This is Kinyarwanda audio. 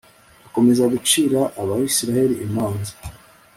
akomeza gucira abayisraheli imanza